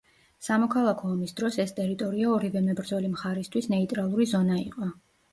სამოქალაქო ომის დროს ეს ტერიტორია ორივე მებრძოლი მხარისთვის ნეიტრალური ზონა იყო.